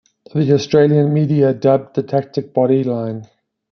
The Australian media dubbed the tactic 'Bodyline'.